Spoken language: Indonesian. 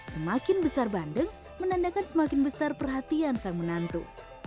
semakin besar bandeng menandakan semakin besar perhatian sang menantu